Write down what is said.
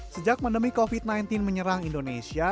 sejak pandemi covid sembilan belas menyerang indonesia